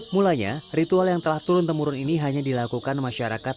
mulanya ritual yang telah turun temurun ini hanya dilakukan masyarakat